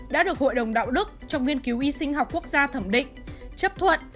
đã được hội đồng đạo đức trong nghiên cứu y sinh học quốc gia thẩm định chấp thuận